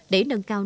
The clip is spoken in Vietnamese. để nâng cao